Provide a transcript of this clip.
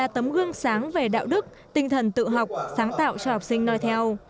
tấm gương sáng về đạo đức tinh thần tự học sáng tạo cho học sinh nói theo